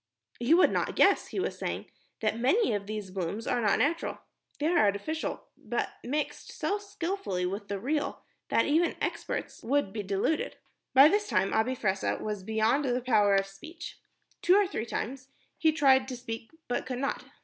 "You would not guess," he was saying, "that many of these blooms are not natural. They are artificial but mixed so skilfully with the real that even experts would be deluded." By this time Abi Fressah was beyond the power of speech. Two or three times, he tried to speak but could not.